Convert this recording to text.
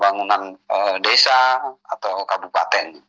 bangunan desa atau kabupaten